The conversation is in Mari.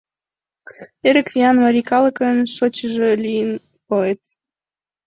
Эрык виян марий калыкын Шочшыжо лийын поэт.